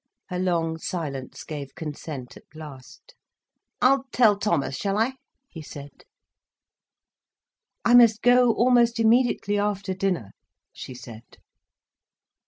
Her long silence gave consent at last. "I'll tell Thomas, shall I?" he said. "I must go almost immediately after dinner," she said.